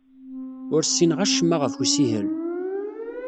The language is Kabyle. Ur ssineɣ acemma ɣef ussihel.